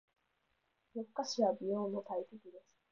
夜更かしは美容の大敵です。